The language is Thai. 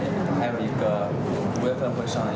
มีความสงสัยมีความสงสัย